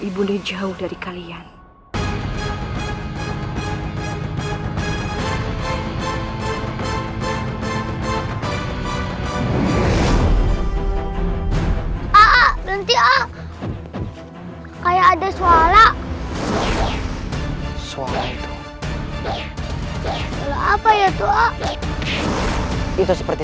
ibunda jauh dari kalian ah ah berhenti ah kayak ada suara suara itu suara apa ya itu ah itu seperti